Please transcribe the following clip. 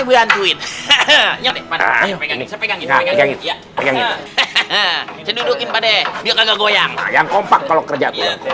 bantuin yang kompak kalau kerja